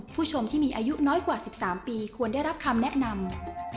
ผู้ชมที่มีอายุน้อยกว่า๑๓ปีควรได้รับคำแนะนำ